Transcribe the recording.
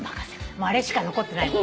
もうあれしか残ってないもん。